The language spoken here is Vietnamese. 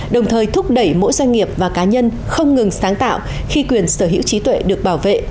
đồng thời thúc đẩy mỗi doanh nghiệp và cá nhân không ngừng sáng tạo khi quyền sở hữu trí tuệ được bảo vệ